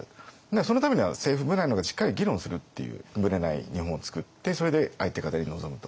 そのためには政府部内でしっかり議論するっていうブレない日本を作ってそれで相手方に臨むと。